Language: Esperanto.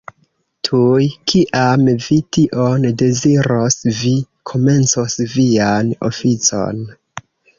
Tuj kiam vi tion deziros, vi komencos vian oficon.